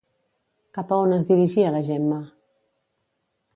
Cap a on es dirigia la Gemma?